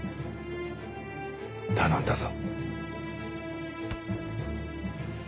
頼んだぞ。